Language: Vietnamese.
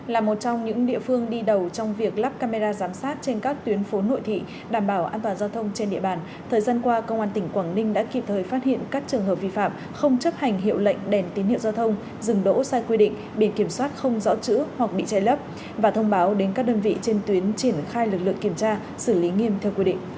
là một trong những địa phương đi đầu trong việc lắp camera giám sát trên các tuyến phố nội thị đảm bảo an toàn giao thông trên địa bàn thời gian qua công an tỉnh quảng ninh đã kịp thời phát hiện các trường hợp vi phạm không chấp hành hiệu lệnh đèn tín hiệu giao thông dừng đỗ sai quy định bị kiểm soát không rõ chữ hoặc bị chạy lấp và thông báo đến các đơn vị trên tuyến triển khai lực lượng kiểm tra xử lý nghiêm theo quy định